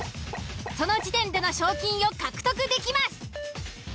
その時点での賞金を獲得できます。